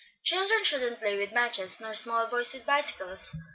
"Children shouldn't play with matches, nor small boys with bicycles.